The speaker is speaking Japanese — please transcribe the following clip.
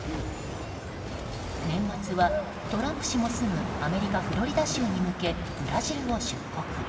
年末はトランプ氏も住むアメリカ・フロリダ州に向けブラジルを出国。